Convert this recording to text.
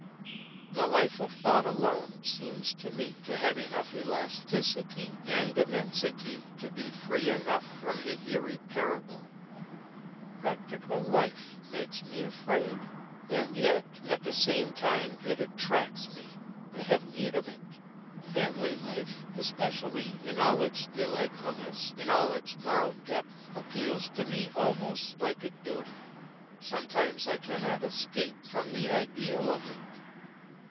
The life of thought alone seems to me to have enough elasticity and immensity, to be free enough from the irreparable ; practical life makes me afraid. And yet, at the same time, it attracts me; Ihave need of it. Family life, espe cially, in all its delightfulness, in all its moral depth, appeals to me almost like a duty. Sometimes I cannot escape from the ideal of it.